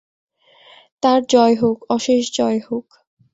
তাঁর জয় হোক, অশেষ জয় হোক।